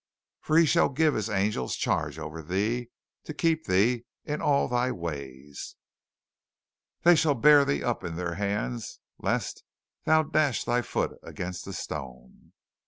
"For he shall give his angels charge over thee, to keep thee in all thy ways. "They shall bear thee up in their hands, lest thou dash thy foot against a stone.